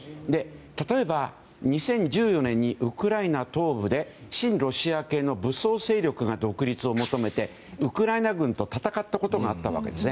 例えば、２０１４年にウクライナ東部で親ロシア系の武装勢力が独立を求めてウクライナ軍と戦ったことがあったわけです。